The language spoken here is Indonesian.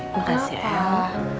hah makasih ya el